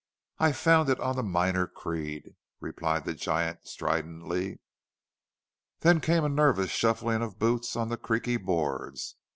"I found it on the miner Creede," replied the giant, stridently. Then came a nervous shuffling of boots on the creaky boards.